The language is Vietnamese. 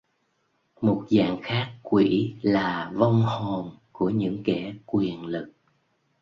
Một dạng khác quỷ là vong hồn của những kẻ Quyền lực